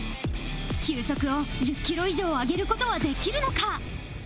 球速を１０キロ以上上げる事はできるのか？